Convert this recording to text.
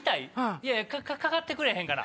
いやかかってくれへんかな。